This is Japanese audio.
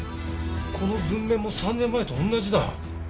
この文面も３年前と同じだ。